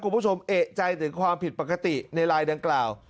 กรุงผู้ชมเอกใจถึงความผิดปกติในไลน์ดังกล่าว